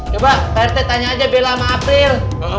coba bertek tanya aja bela sama april